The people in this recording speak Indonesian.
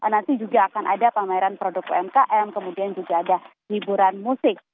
nanti juga akan ada pameran produk umkm kemudian juga ada hiburan musik